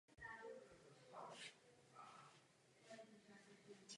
Knapp vystudoval smíchovské reálné gymnázium.